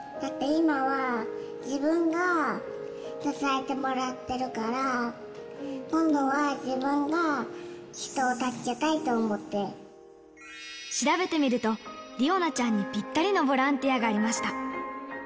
今は、自分が支えてもらってるから、今度は自分が人を助けたいと思っ調べてみると、理央奈ちゃんにぴったりのボランティアがありました。